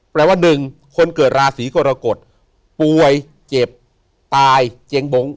แปลว่าหนึ่งคนเกิดราศีกรกฎป่วยเจ็บตายเจียงบง